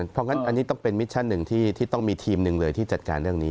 เพราะงั้นอันนี้ต้องเป็นมิชชั่นหนึ่งที่ต้องมีทีมหนึ่งเลยที่จัดการเรื่องนี้